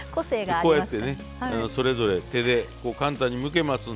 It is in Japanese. こうやってねそれぞれ手で簡単にむけますんで。